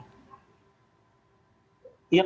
ya kalau secara teoretik sih tidak